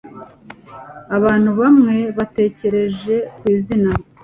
Abantu bamwe batekereje ku izina